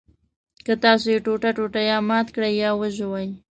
که تاسو یې ټوټه ټوټه یا مات کړئ یا وژوئ.